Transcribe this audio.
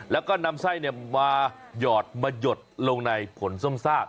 แล้วก็นำไส้มาหยอดมาหยดลงในผลส้มซาก